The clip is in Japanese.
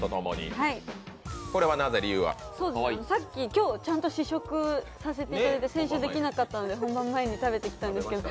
今日ちゃんと試食させていただいて先週できなかったので本番前に食べてきたんですけど、